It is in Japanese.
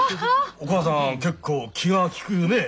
お母さん結構気が利くねえ！